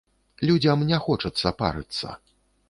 Людзям не хочацца парыцца.